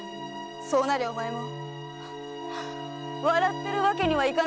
そうなりゃお前も笑ってるわけにはいかなくなるぜ。